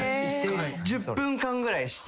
１０分間ぐらいして。